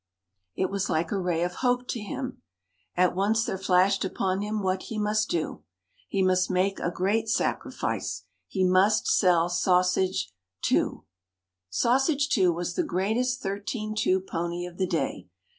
It was like a ray of hope to him. At once there flashed upon him what he must do. He must make a great sacrifice; he must sell Sausage II. Sausage II. was the greatest thirteen two pony of the day.